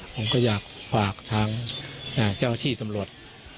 ผมก็อยากฝากทางเจ้าที่ตำรวจ